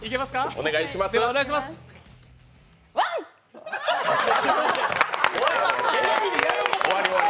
お願いします。